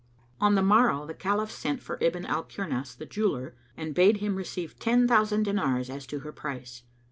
On the morrow the Caliph sent for Ibn al Kirnas the Jeweller, and bade him receive ten thousand dinars as to her price.